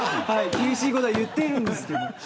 厳しいことを言っているんですけど。